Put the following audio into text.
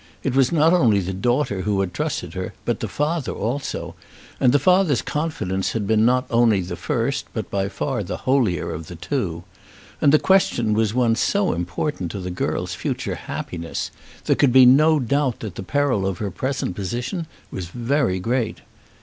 It was not only the daughter who had trusted her, but the father also; and the father's confidence had been not only the first but by far the holier of the two. And the question was one so important to the girl's future happiness! There could be no doubt that the peril of her present position was very great.